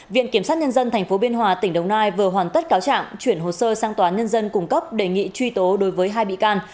viện kiểm sát nhân dân tp biên hòa tỉnh đồng nai vừa hoàn tất cáo trạng chuyển hồ sơ sang tòa án nhân dân cung cấp đề nghị truy tố đối với hai bị can